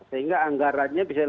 sehingga anggarannya bisa lebih